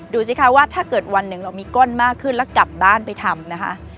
ดูสิคะว่าถ้าเกิดวันหนึ่งเรามีก้นมากขึ้นแล้วกลับบ้านไปทำนะคะ